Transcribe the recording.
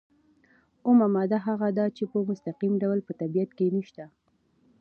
اومه ماده هغه ده چې په مستقیم ډول په طبیعت کې نشته.